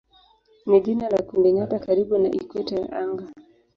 ni jina la kundinyota karibu na ikweta ya anga.